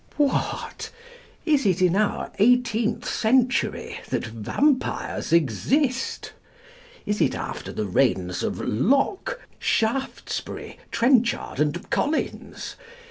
What! is it in our eighteenth century that vampires exist? Is it after the reigns of Locke, Shaftesbury, Trenchard, and Collins?